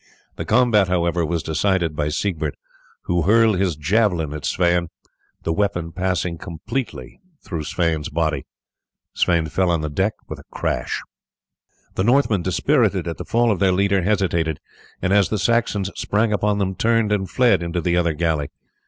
The combat, however, was decided by Siegbert, who hurled his javelin at Sweyn, the weapon passing completely through his body. Sweyn fell on the deck with a crash. The Northmen, dispirited at the fall of their leader, hesitated, and as the Saxons sprang upon them turned and fled into the other galley.